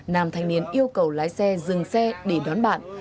nam thanh niên yêu cầu lái xe dừng xe để đón bạn